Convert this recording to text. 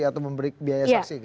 atau memberi biaya saksi